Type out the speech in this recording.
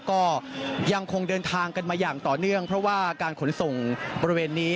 ก็ยังคงเดินทางกันมาอย่างต่อเนื่องเพราะว่าการขนส่งบริเวณนี้